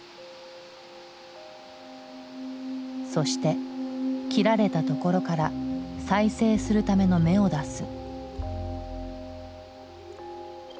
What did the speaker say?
そして切られたところから再生するための芽を出す。